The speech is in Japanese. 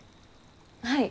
はい？